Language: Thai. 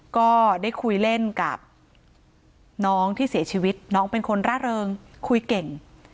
ก็ได้คุยเล่นกับน้องที่เสียชีวิตน้องเป็นคนร่าเริงคุยเก่ง